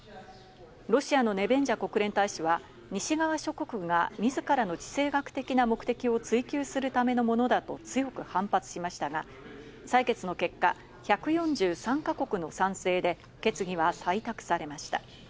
ロシアのネベンジャ国連大使は、西側諸国がみずからの地政学的な目的を追求するためのものだと強く反発しましたが、採決の結果、１４３か国の賛成で決議は採択されました。